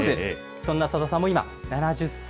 そんなさださんも今、７０歳。